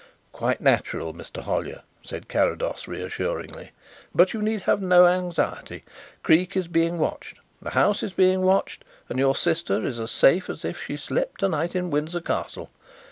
"Quite natural, Mr. Hollyer," said Carrados reassuringly, "but you need have no anxiety. Creake is being watched, the house is being watched, and your sister is as safe as if she slept to night in Windsor Castle.